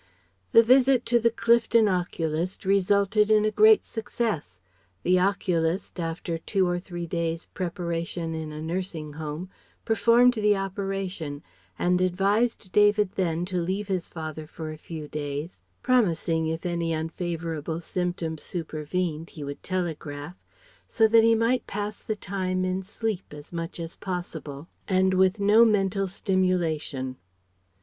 The visit to the Clifton oculist resulted in a great success. The oculist after two or three days' preparation in a nursing home performed the operation and advised David then to leave his father for a few days (promising if any unfavourable symptoms supervened he would telegraph) so that he might pass the time in sleep as much as possible, and with no mental stimulation.